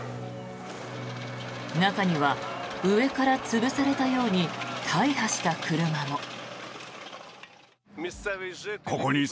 中には上から潰されたように大破した車も。